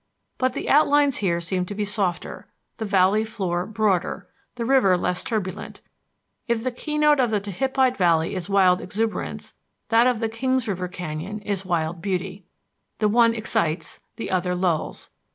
But the outlines here seem to be softer, the valley floor broader, the river less turbulent. If the keynote of the Tehipite Valley is wild exuberance, that of the Kings River Canyon is wild beauty. The one excites, the other lulls.